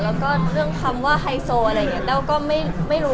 แล้วก็เรื่องคำว่าไฮโซอะไรอย่างนี้แต้วก็ไม่รู้